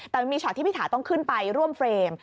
แต่มันมีช็อตที่พี่ถาต้องขึ้นไปร่วมเฟรม